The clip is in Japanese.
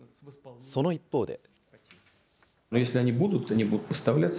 その一方で。